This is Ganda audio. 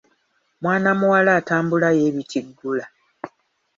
Mwana muwala atambula yeebitiggula.